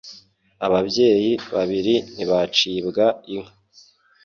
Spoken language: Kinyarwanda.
Ababyeyi babiri ntibacibwa inka.